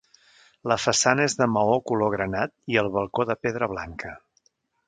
La façana és de maó color granat i el balcó de pedra blanca.